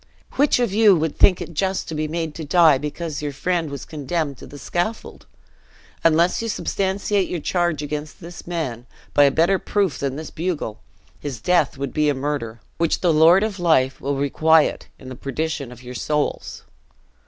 Which of you would think it just to be made to die because your friend was condemned to the scaffold? Unless you substantiate your charge against this man, by a better proof than this bugle, his death would be a murder, which the Lord of life will requite in the perdition of your souls."